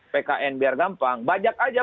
pkn biar gampang bajak aja